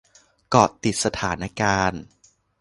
เกาะติดสถานการณ์